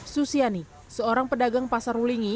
susiani seorang pedagang pasar wulingi